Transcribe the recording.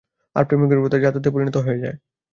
আর প্রেমের গভীরতা জাদুতে পরিণত হয়ে যায়।